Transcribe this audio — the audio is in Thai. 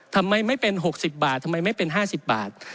ทำไมไม่เป็น๖๐บาททำไมไม่เป็น๕๐บาท